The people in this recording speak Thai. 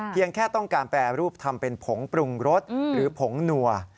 แค่ต้องการแปรรูปทำเป็นผงปรุงรสหรือผงนัว